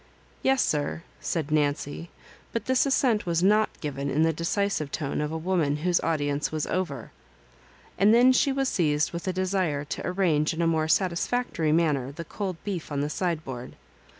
" Yes, sir," said Nancy; but this assent was not given in the decisive tone of a woman whose audience was over; and then she was seized with a desire to arrange in a more satisfactory manner the cold beef on the side board.